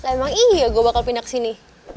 emang iya gue bakal pindah kesini